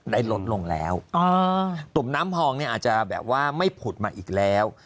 ได้ลดลงแล้วตุ่มน้ำพองเนี่ยอาจจะแบบว่าไม่ผุดมาอีกแล้ว